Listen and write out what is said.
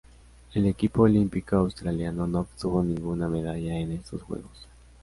El equipo olímpico australiano no obtuvo ninguna medalla en estos Juegos.